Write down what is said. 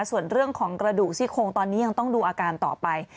ส่วนเรื่องของกระดูกซี่โคงตอนนี้ยังต้องดูอาการต่อไป